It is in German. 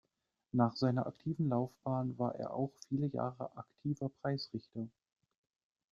Nach seiner aktiven Laufbahn war er auch viele Jahre aktiver Preisrichter.